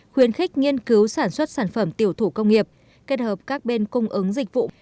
khuyến khích nghiên cứu sản xuất sản phẩm tiểu thủ công nghiệp kết hợp các bên cung ứng dịch vụ